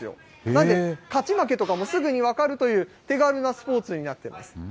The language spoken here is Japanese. なので、勝ち負けとかもすぐに分かるという、手軽なスポーツになっています。